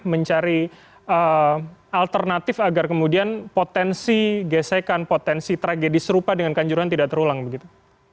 mencari alternatif agar kemudian potensi gesekan potensi tragedi serupa dengan kanjuruhan tidak terulang begitu